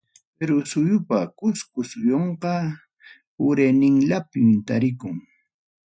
Perú suyupa, Cusco suyunqa urayninlanpi tarikun.